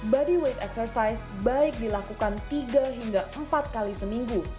bodyweight exercise baik dilakukan tiga hingga empat kali seminggu